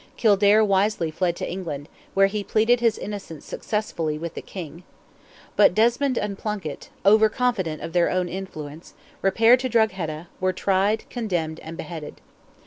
Kildare wisely fled to England, where he pleaded his innocence successfully with the King. But Desmond and Plunkett, over confident of their own influence, repaired to Drogheda, were tried, condemned, and beheaded.